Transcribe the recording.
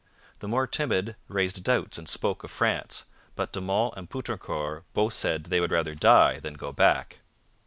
The more timid raised doubts and spoke of France, but De Monts and Poutrincourt both said they would rather die than go back.